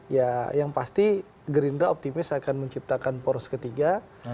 ya yang pasti gerindra optimis akan menciptakan poros ketiga